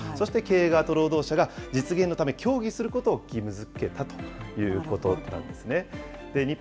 そして経営側と労働者が実現のため、協議することを義務づけたということなんですね。